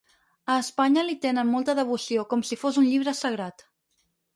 A Espanya li tenen molta devoció, com si fos un llibre sagrat.